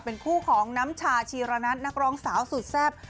เป็นคู่ของน้ำชาชีรณัทนักร้องสาวสุดแซ่บ